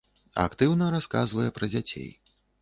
Актыўна расказвае пра дзяцей.